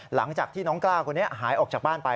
หลังจากที่น้องกล้าคนนี้หายออกจากบ้านไป